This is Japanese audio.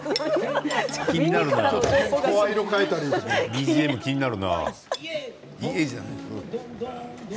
ＢＧＭが気になるな。